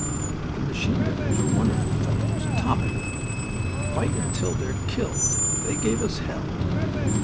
"The machine gunners are wonderful fellows topping. Fight until they're killed. They gave us hell."